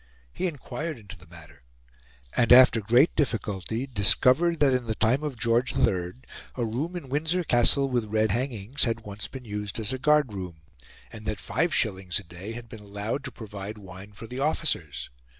He enquired into the matter, and after great difficulty discovered that in the time of George III a room in Windsor Castle with red hangings had once been used as a guard room, and that five shillings a day had been allowed to provide wine for the officers.